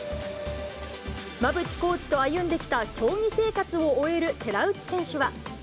馬淵コーチと歩んできた競技生活を終える寺内選手は。